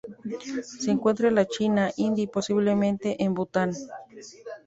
Se encuentra en la China, India y posiblemente en Bután.